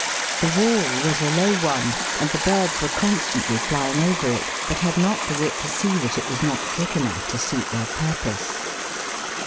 The wall was a low BURROWERS AND BORERS. 103 one, and the birds were constantly flying over it, but had not the wit to see that it was not thick enough to suit their purpose.